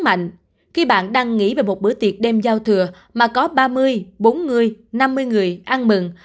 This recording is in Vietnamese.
mạnh khi bạn đang nghĩ về một bữa tiệc đêm giao thừa mà có ba mươi bốn mươi năm mươi người ăn mừng